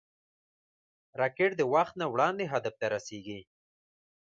راکټ د وخت نه وړاندې هدف ته رسېږي